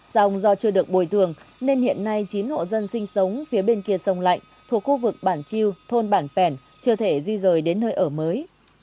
dòng do chưa được bồi thường nên hiện nay chín hộ dân sinh sống phía bên kia sông lạnh thuộc khu vực bản chiêu thôn bản pèn chưa thể di rời đến nơi ở mới